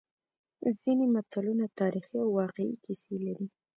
ځینې متلونه تاریخي او واقعي کیسې لري